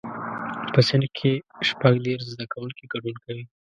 په صنف کې شپږ دیرش زده کوونکي ګډون کوي.